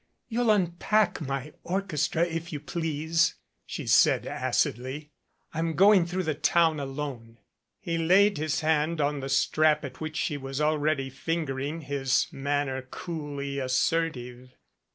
"You'll unpack my orchestra if you please," she said acidly. "I'm going through the town alone." He laid his hand on the strap at which she was already fingering, his manner coolly assertive.